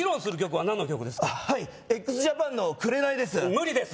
はいＸＪＡＰＡＮの「紅」です